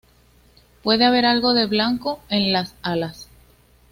Puede haber algo de blanco en las alas.